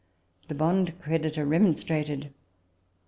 The bond creditor remonstrated.